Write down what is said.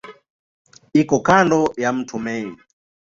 Iko kando ya mto Main.